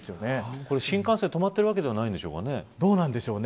これ新幹線止まってるわけではどうなんでしょうね。